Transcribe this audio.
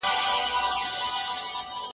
دې ورستو اوبو کي زه هم تباه کېږم .